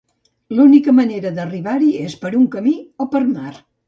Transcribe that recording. L'única manera d'arribar-hi és per un camí o per mar.